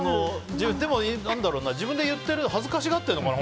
でも自分で言って恥ずかしがってるのかな？